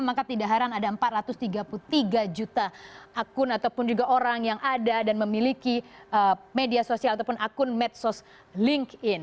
maka tidak heran ada empat ratus tiga puluh tiga juta akun ataupun juga orang yang ada dan memiliki media sosial ataupun akun medsos linkedin